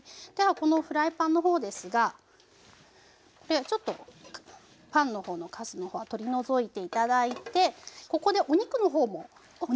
このフライパンの方ですがこれちょっとパンの方のカスの方は取り除いて頂いてここでお肉の方も同じフライパンで。